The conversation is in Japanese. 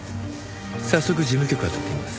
早速事務局をあたってみます。